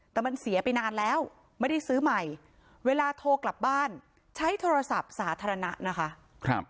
แต่มันเสียไปนานแล้วไม่ได้ซื้อใหม่เวลาโทรกลับบ้านใช้โทรศัพท์สาธารณะนะคะ